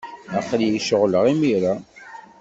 Aql-iyi ceɣleɣ imir-a.